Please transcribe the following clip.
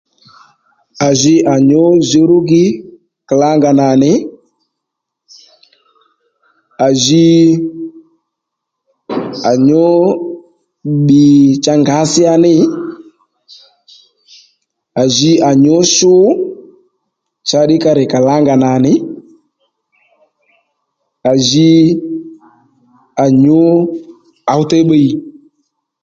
À ji à nyǔ djǔrúgi kàlangà nà nì à ji à nyǔ bbì cha ngǎsíya ní a ji à nyǔ shu cha ddí ka rì kàlangà nà nì à ji à nyǔ ǒw těy bbiy